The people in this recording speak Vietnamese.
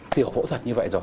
tiểu phẫu thuật như vậy rồi